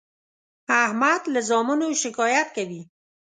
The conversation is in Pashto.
احمد له زامنو شکایت کوي.